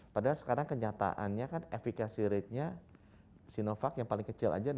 padahal sekarang kenyataannya kan efekasi ratenya sinovac yang paling kecil aja enam puluh tujuh